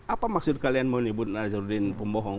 apa maksud kalian menyebut nazarudin pembohong